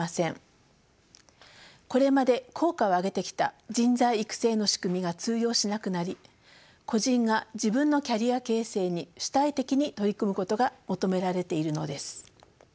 これまで効果を上げてきた人材育成の仕組みが通用しなくなり個人が自分のキャリア形成に主体的に取り組むことが求められているのです。